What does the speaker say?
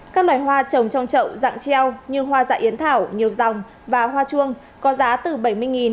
các loài hoa trồng trong trậu dạng treo như hoa dạ yến thảo nhiều dòng và hoa chuông có giá từ bảy mươi đồng